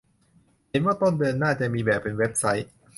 เห็นว่าต้นเดือนหน้าจะมีแบบเป็นเว็บไซต์